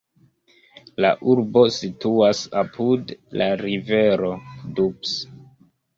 La urbo situas apud la rivero Doubs.